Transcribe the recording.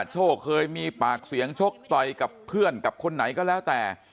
โชคเคยมีปากเสียงชกต่อยกับเพื่อนกับคนไหนก็แล้วแต่